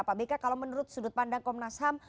pak beka kalau menurut sudut pandang komnas ham